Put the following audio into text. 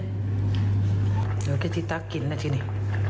เดี๋ยวแค่ที่ตากลิ้นนะที่นี่